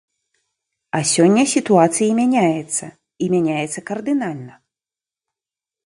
А сёння сітуацыі мяняецца, і мяняецца кардынальна.